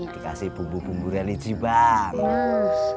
dikasih bumbu bumbu religi banget